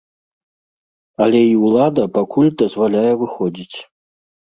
Але і ўлада пакуль дазваляе выходзіць.